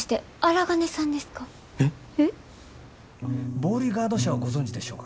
ボーリガード社をご存じでしょうか？